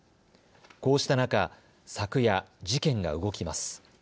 こうした中、昨夜、事件が動きます。